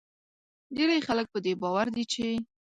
ډیری خلک په دې باور دي چې